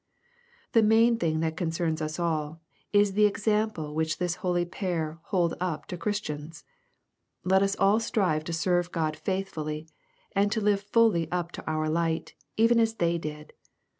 The main thing that concerns us all, is the example which this holy pair hold up to Christians. Let us all strive to serve God faithfully, and live fully up to our light, even as they did.